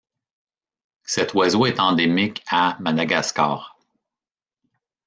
Cet oiseau est endémique à Madagascar.